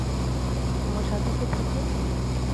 আমার সাথে কে থাকবে?